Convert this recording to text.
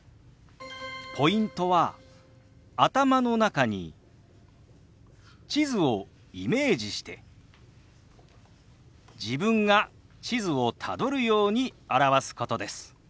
ポイントは頭の中に地図をイメージして自分が地図をたどるように表すことです。